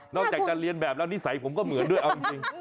จากจะเรียนแบบแล้วนิสัยผมก็เหมือนด้วยเอาจริง